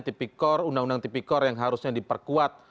tipikor undang undang tipikor yang harusnya diperkuat